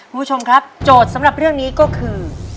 คุณผู้ชมครับโจทย์สำหรับเรื่องนี้ก็คือ